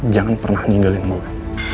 jangan pernah ninggalin gua